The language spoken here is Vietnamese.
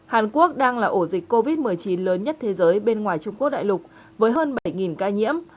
hổ dịch covid một mươi chín lớn nhất thế giới bên ngoài trung quốc đại lục với hơn bảy ca nhiễm